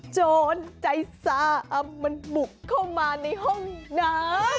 โจรใจซามันบุกเข้ามาในห้องน้ำ